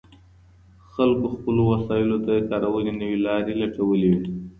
خلګو د خپلو وسایلو د کارولو نوي لاري لټولې وې.